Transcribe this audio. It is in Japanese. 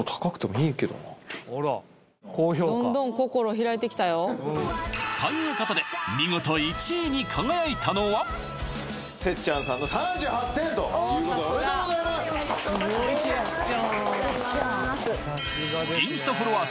どんどん心開いてきたよということで見事１位に輝いたのはせっちゃんさんの３８点ということでおめでとうございますありがとうございますインスタフォロワー数